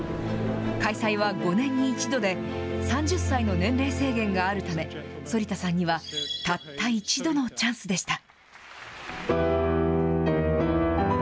開催は５年に１度で、３０歳の年齢制限があるため、反田さんにはたった一度のチャンスでした。